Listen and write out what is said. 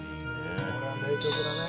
「これは名曲だね」